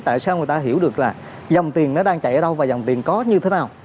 tại sao người ta hiểu được là dòng tiền nó đang chạy ở đâu và dòng tiền có như thế nào